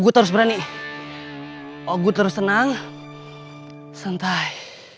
terus senang sentai